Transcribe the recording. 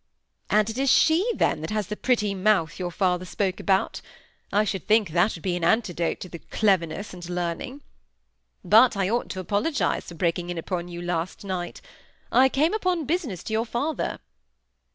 "And it is she, then, that has the pretty mouth your father spoke about? I should think that would be an antidote to the cleverness and learning. But I ought to apologize for breaking in upon your last night; I came upon business to your father."